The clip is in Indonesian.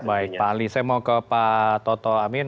baik pak ali saya mau ke pak toto amin